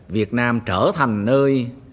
việt nam trở thành nơi